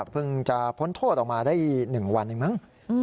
เพิ่งจะพ้นโทษออกมาได้๑วันเองมั้ง